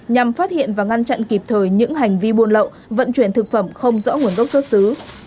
nhằm phát hiện và ngăn chặn kịp thời những hành vi buôn lậu vận chuyển thực phẩm không rõ nguồn gốc xuất xứ